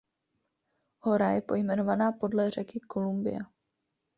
Hora je pojmenovaná podle řeky Columbia.